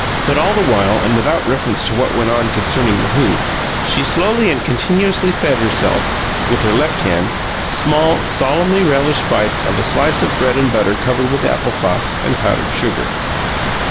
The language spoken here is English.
But all the while, and without reference to what went on concerning the hoop, she slowly and continuously fed herself (with her left hand) small, solemnly relished bites of a slice of bread and butter covered with apple sauce and powdered sugar.